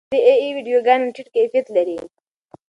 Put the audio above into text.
ډېرې اې ای ویډیوګانې ټیټ کیفیت لري.